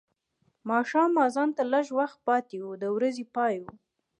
ماښام اذان ته لږ وخت پاتې و د ورځې پای و.